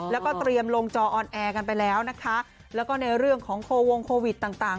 แล้วก็เตรียมลงจออนแอร์กันไปแล้วนะคะแล้วก็ในเรื่องของโควงโควิดต่างต่าง